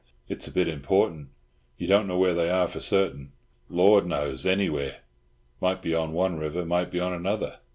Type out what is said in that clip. It's a bit important. You don't know where they are for certain?" "Lord knows! Anywhere! Might be on one river, might be on another.